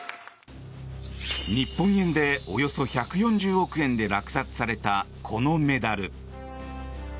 日本円でおよそ１４０億円で落札されたこのメダル。